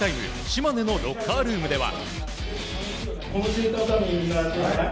島根のロッカールームでは。